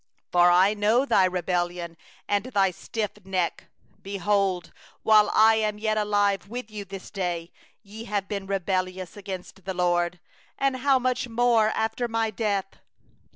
27For I know thy rebellion, and thy stiff neck; behold, while I am yet alive with you this day, ye have been rebellious against the LORD; and how much more after my death?